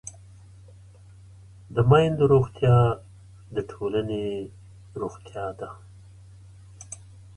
د میندو روغتیا د ټولنې روغتیا ده.